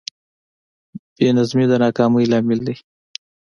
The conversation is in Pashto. بېنظمي د ناکامۍ لامل دی.